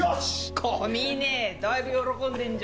小峯だいぶ喜んでんじゃん。